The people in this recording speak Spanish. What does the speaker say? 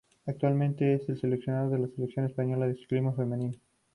Actualmente es el seleccionador de la selección española de ciclismo femenino.